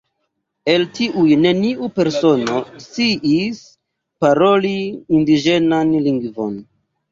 El tiuj neniu persono sciis paroli indiĝenan lingvon.